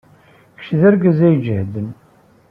Kečč d argaz ay ijehden.